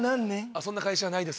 そんな会社ないです